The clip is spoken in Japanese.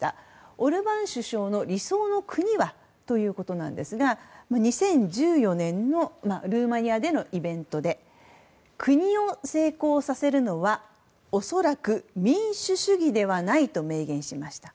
オルバーン首相の理想の国はということなんですが２０１４年のルーマニアでのイベントで国を成功させるのは、恐らく民主主義ではないと明言しました。